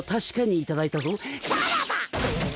さらば！